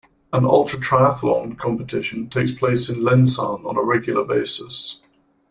An ultra-triathlon competition takes place in Lensahn on a regular basis.